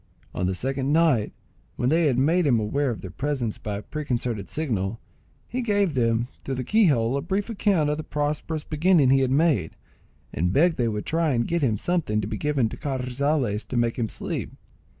On the second night, when they had made him aware of their presence by a preconcerted signal, he gave them, through the key hole, a brief account of the prosperous beginning he had made, and begged they would try and get him something to be given to Carrizales to make him sleep.